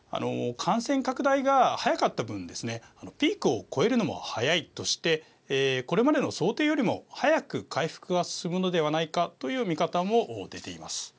感染拡大が早かった分ですねピークを越えるのも早いとしてこれまでの想定よりも早く回復が進むのではないかという見方も出ています。